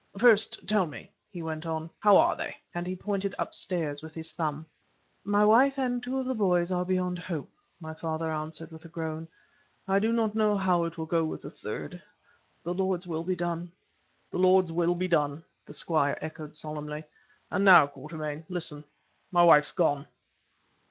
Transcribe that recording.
"First tell me," he went on, "how are they?" and he pointed upwards with his thumb. "My wife and two of the boys are beyond hope," my father answered, with a groan. "I do not know how it will go with the third. The Lord's will be done!" "The Lord's will be done," the squire echoed, solemnly. "And now, Quatermain, listen—my wife's gone."